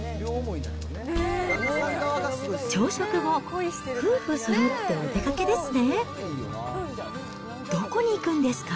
朝食後、夫婦そろってお出かけですね。